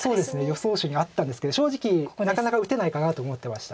予想手にあったんですけど正直なかなか打てないかなと思ってました。